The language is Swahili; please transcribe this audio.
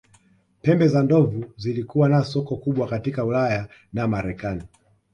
Pembe za ndovu zilizokuwa na soko kubwa katika Ulaya na Marekani